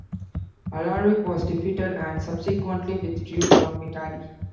Alaric was defeated and subsequently withdrew from Italy.